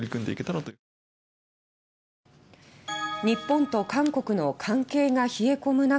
日本と韓国の関係が冷え込む